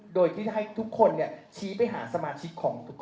โดยที่จะให้ทุกคนเนี่ยชี้ไปหาสมาชิกของเรา